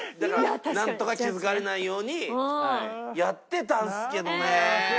なんとか気付かれないようにやってたんですけどね。